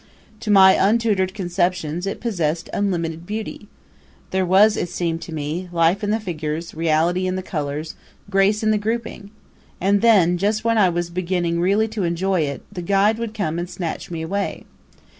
To my untutored conceptions it possessed unlimited beauty. There was, it seemed to me, life in the figures, reality in the colors, grace in the grouping. And then, just when I was beginning really to enjoy it, the guide would come and snatch me away.